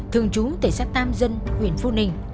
thường trú tể sát tam dân huyện phu ninh